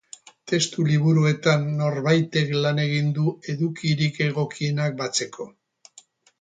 Testu liburuetan norbaitek lan egin du edukirik egokienak batzeko.